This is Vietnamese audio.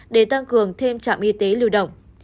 để tăng cường thêm trạm y tế lưu động